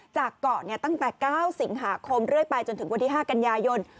จากเกาะตั้งแต่๙สิงหาคมเรื่อยไปจนถึงวันที่๕กันยายน